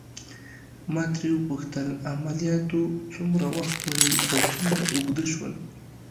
ما ترې وپوښتل: عملياتو څومره وخت ونیو او څومره اوږد شول؟